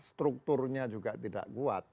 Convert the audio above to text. strukturnya juga tidak kuat